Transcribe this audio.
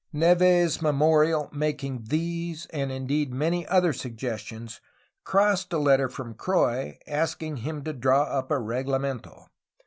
Neve's memorial making these and indeed many other suggestions crossed a letter from Croix asking him to draw up a reglamento.